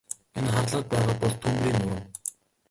Энэ харлаад байгаа бол түймрийн нурам.